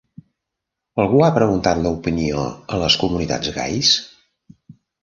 Algú ha preguntat l'opinió a les comunitats gais?